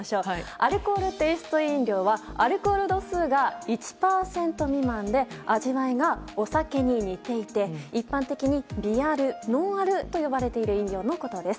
アルコールテイスト飲料はアルコール度数が１％未満で味わいがお酒に似ていて一般的に微アル、ノンアルと呼ばれている飲料のことです。